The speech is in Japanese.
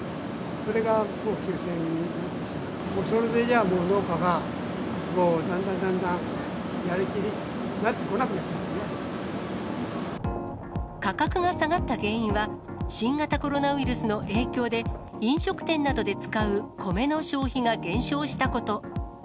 それじゃ農家が、もうだんだんだんだんやる気なくなってきちゃう価格が下がった原因は、新型コロナウイルスの影響で、飲食店などで使う米の消費が減少したこと。